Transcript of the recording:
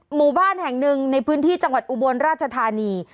หมู่บ้านแห่งหนึ่งในพื้นที่จังหวัดอุบลราชธานี